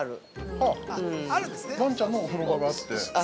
◆わんちゃんのお風呂場があって。